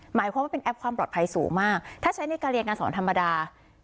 หมายความว่าเป็นแอปความปลอดภัยสูงมากถ้าใช้ในการเรียนการสอนธรรมดา